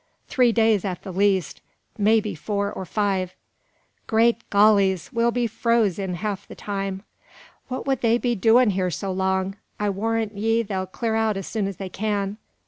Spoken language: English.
"Three days at the least: may be four or five." "Great gollies! we'll be froze in half the time." "What would they be doin' here so long? I warrant ye they'll clar out as soon as they can."